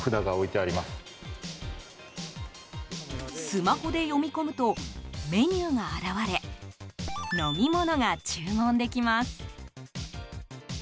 スマホで読み込むとメニューが現れ飲み物が注文できます。